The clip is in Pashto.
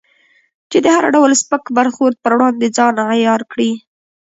چې د هر ډول سپک برخورد پر وړاندې ځان عیار کړې.